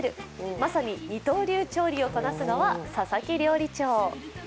まさに二刀流調理をこなすのは佐々木料理長。